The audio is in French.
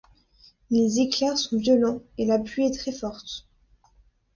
Les éclairs sont violents et la pluie est très forte.